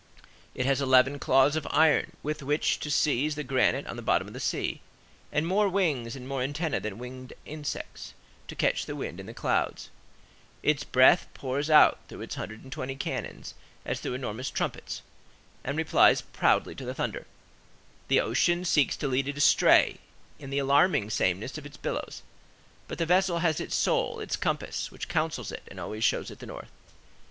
It has eleven claws of iron with which to seize the granite on the bottom of the sea, and more wings and more antennæ than winged insects, to catch the wind in the clouds. Its breath pours out through its hundred and twenty cannons as through enormous trumpets, and replies proudly to the thunder. The ocean seeks to lead it astray in the alarming sameness of its billows, but the vessel has its soul, its compass, which counsels it and always shows it the north.